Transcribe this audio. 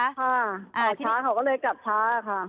ค่ะช้าเขาก็เลยกลับช้าค่ะ